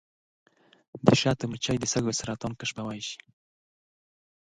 د شاتو مچۍ د سږو سرطان کشفولی شي.